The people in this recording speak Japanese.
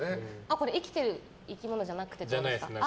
これ、生きてる生き物じゃなくてということですか？